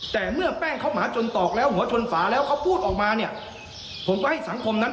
แต่เมื่อแป้งเขาหมาจนตอกแล้วหัวชนฝาแล้วเขาพูดออกมาเนี่ยผมก็ให้สังคมนั้น